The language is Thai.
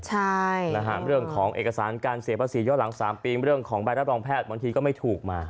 ใช่นะฮะเรื่องของเอกสารการเสียภาษีย้อนหลัง๓ปีเรื่องของใบรับรองแพทย์บางทีก็ไม่ถูกมา